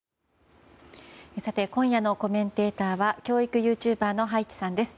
今夜のコメンテーターは教育ユーチューバーの葉一さんです。